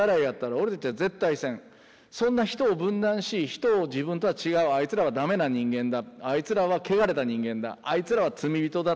そんな人を分断し人を自分とは違うあいつらはダメな人間だあいつらはけがれた人間だあいつらは罪人だ